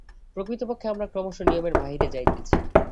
প্রকৃতপক্ষে আমরা ক্রমশ নিয়মের বাহিরে যাইতেছি।